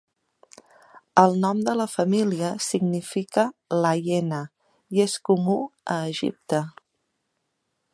El nom de la família significa "la hiena" i és comú a Egipte.